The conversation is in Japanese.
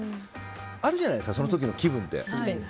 あるじゃないですかその時の気分って。